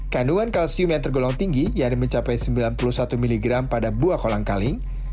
kandungan kalsium yang tergolong tinggi yang mencapai sembilan puluh satu miligram pada buah kolang kaling